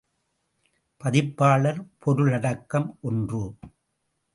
பதிப்பாளர் பொருளடக்கம் ஒன்று.